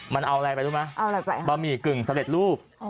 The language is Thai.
มันเอาอะไรไปรู้ไหมบะหมี่กึ่งสำเร็จรูป